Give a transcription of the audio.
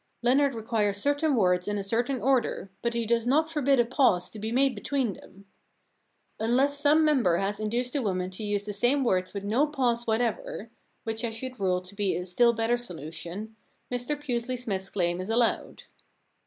Leonard requires certain words in a certain order, but he does not forbid a pause to be made between them. Unless some member has induced a woman to use the same words with no pause what ever — which I should rule to be a still better solution — Mr Pusely Smythe's claim is allowed.'